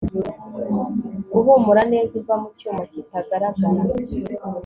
uhumura neza uva mu cyuma kitagaragara